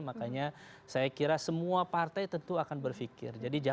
makanya saya kira semua partai tentu akan berpikir